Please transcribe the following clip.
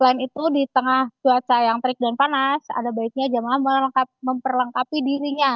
selain itu di tengah cuaca yang terik dan panas ada baiknya jemaah memperlengkapi dirinya